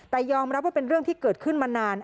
แต่ยอมรับว่าเป็นเรื่องที่เกิดขึ้นมานาน